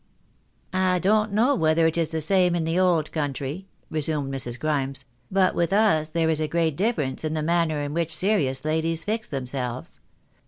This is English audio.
" I don't know whether it is the same in the old country," resumed Mrs. Grimes, " but with us there is a great difference ia the manner in which serious ladies fix themselves.